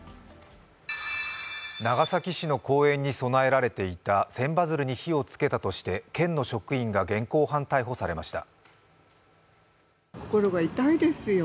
長崎市の公園に供えられていた千羽鶴に火をつけたとして県の職員が現行犯逮捕されました。